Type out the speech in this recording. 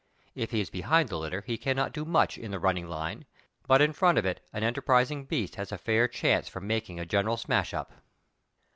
If he is behind the litter he cannot do much in the running line, but in front of it an enterprising beast has a fair chance for making a general smash up.